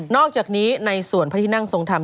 อกจากนี้ในส่วนพระที่นั่งทรงธรรม